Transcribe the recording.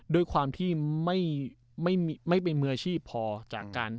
ด้วยความที่ไม่ไม่มีไม่เป็นมือชีพพอจากนั้น